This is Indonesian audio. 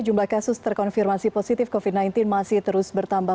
jumlah kasus terkonfirmasi positif covid sembilan belas masih terus bertambah